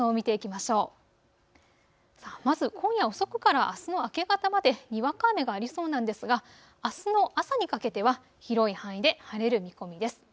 まず今夜遅くからあすの明け方までにわか雨がありそうなんですがあすの朝にかけては広い範囲で晴れる見込みです。